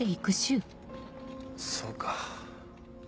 そうか。